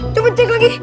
cuma cek lagi